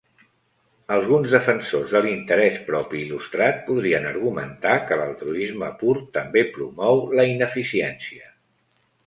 Alguns defensors de l'interès propi il·lustrat podrien argumentar que l'altruisme pur també promou la ineficiència.